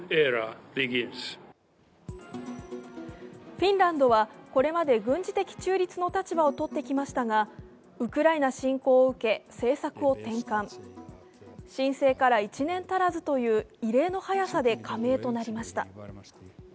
フィンランドは、これまで軍事的中立の立場を取ってきましたが、ウクライナ侵攻を受け、政策を転換申請から１年足らずという異例の早さで加盟となりました。